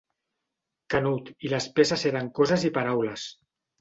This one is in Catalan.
Canut, i les peces eren coses i paraules.